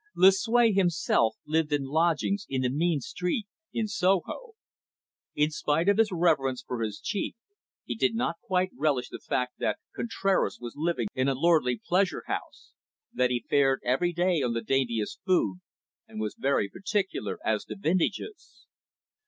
Lucue himself lived in lodgings in a mean street in Soho. In spite of his reverence for his chief, he did not quite relish the fact that Contraras was living in a lordly pleasure house, that he fared every day on the daintiest food, and was very particular as to vintages.